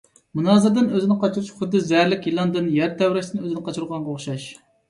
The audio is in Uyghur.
مۇنازىرىدىن ئۆزىنى قاچۇرۇش خۇددى زەھەرلىك يىلاندىن، يەر تەۋرەشتىن ئۆزىنى قاچۇرغانغا ئوخشاش.